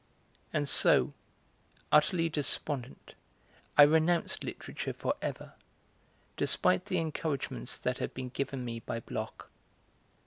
And so, utterly despondent, I renounced literature for ever, despite the encouragements that had been given me by Bloch.